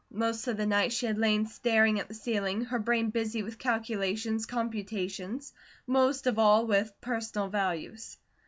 Most of the night she had lain staring at the ceiling, her brain busy with calculations, computations, most of all with personal values.